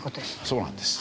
そうなんです。